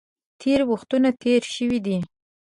تېرې وختونه تېر شوي دي.